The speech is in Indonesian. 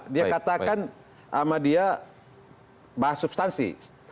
dia katakan sama dia bahas substansi